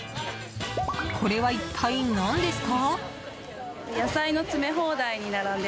これは一体何ですか？